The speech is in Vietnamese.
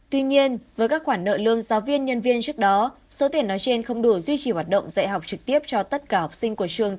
tuy nhiên với các khoản nợ lương giáo viên nhân viên trước đó số tiền nói trên không đủ duy trì hoạt động dạy học trực tiếp cho tất cả học sinh của trường